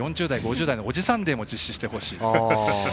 ４０代、５０代のおじさんデーも実施してほしいと。